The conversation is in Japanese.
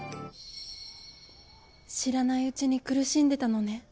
知らないうちに苦しんでたのね